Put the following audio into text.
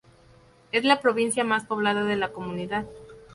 Es la provincia más poblada de la comunidad.